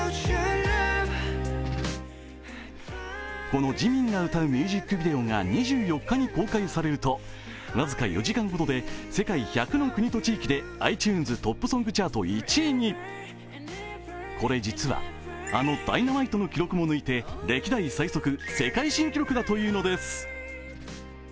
このＪＩＭＩＮが歌うミュージックビデオがわずか４時間ほどで世界１００の国と地域でｉＴｕｎｅｓトップソングチャート１位にこれ実はあの「Ｄｙｎａｍｉｔｅ」の記録も抜いて歴代最速・世界新記録だというのです。